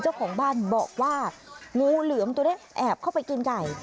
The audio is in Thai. เจ้าของบ้านบอกว่างูเหลือมตัวนี้แอบเข้าไปกินไก่